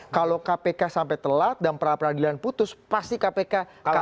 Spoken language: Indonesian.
kalau kpk sampai telat dan pra peradilan putus pasti kpk kalah